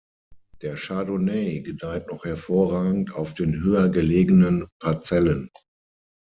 Der Chardonnay gedeiht noch hervorragend auf den höher gelegenen Parzellen.